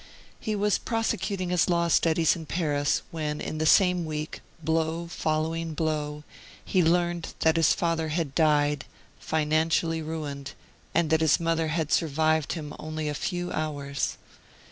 He was prosecuting his law studies in Paris, when in the same week, blow following blow, he learned that his father had died, financially ruined, and that his mother had survived him only a few hours.